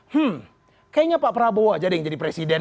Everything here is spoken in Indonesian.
hmm kayaknya pak prabowo aja deh yang jadi presiden